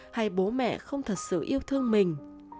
hay bố mẹ không thật sự yêu thương mình